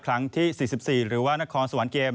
ครั้งที่๔๔หรือว่านครสวรรค์เกม